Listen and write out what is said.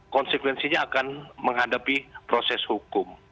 konsekuensinya akan menghadapi proses hukum